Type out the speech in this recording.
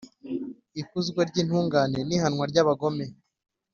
Ikuzwa ry’intungane n’ihanwa ry’abagome